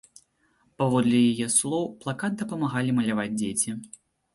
Паводле яе слоў, плакат дапамагалі маляваць дзеці.